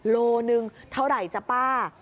โลหนึ่งเท่าไหร่จ๊ะป้า